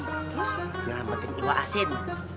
terus nyelamatin iwa asin